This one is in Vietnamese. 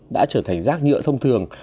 đã trở thành rác nhựa thông thường